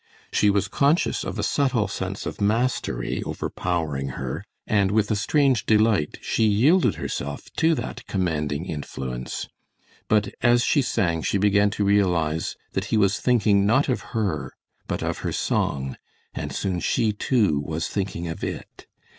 She was conscious of a subtle sense of mastery overpowering her, and with a strange delight she yielded herself to that commanding influence; but as she sang she began to realize that he was thinking not of her, but of her song, and soon she, too, was thinking of it.